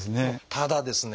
ただですね